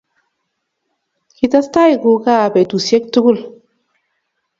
kitestai kukaaa betusiek tugul